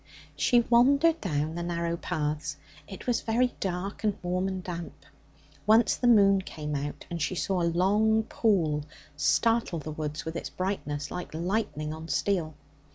She wandered down the narrow paths. It was very dark and warm and damp. Once the moon came out, and she saw a long pool startle the woods with its brightness, like lightning on steel.